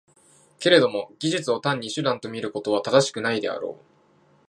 けれども技術を単に手段と見ることは正しくないであろう。